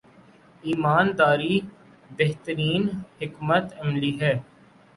ایمان داری بہترین حکمت عملی ہے۔